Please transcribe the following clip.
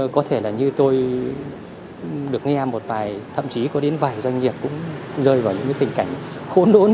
có thể là như tôi được nghe một vài thậm chí có đến vài doanh nghiệp cũng rơi vào những cái tình cảnh khôn lường